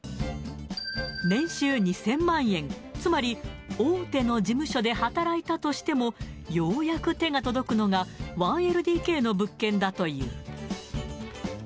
年収２０００万円、つまり大手の事務所で働いたとしても、ようやく手が届くのが、１ＬＤＫの物件だという。